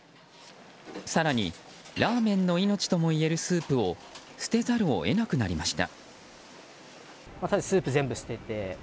更にラーメンの命ともいえるスープを捨てざるを得なくなりました。